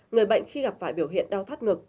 người bệnh khi gặp phải biểu hiện đau thoát ngực